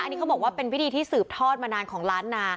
อันนี้เขาบอกว่าเป็นพิธีที่สืบทอดมานานของล้านนา